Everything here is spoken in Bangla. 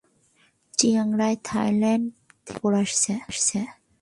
চিয়াং রাই, থাইল্যান্ড থেকে খবর আসছে।